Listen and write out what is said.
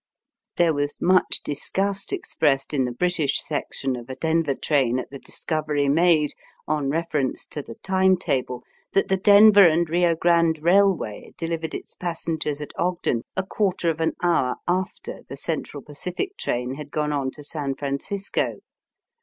There was much disgust expressed in the British section of a Denver train at the discovery made, on reference to the time table, that the Denver and Eio Grande EaUway dehvered its passengers at Ogden a quarter of an hour after the Central Pacific train had gone on to San Francisco.